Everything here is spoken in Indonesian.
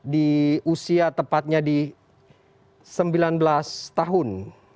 di usia tepatnya di sembilan belas tahun